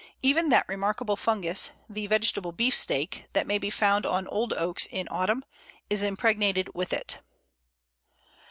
Even that remarkable fungus, the Vegetable Beef steak, that may be found on old Oaks in autumn, is impregnated with it.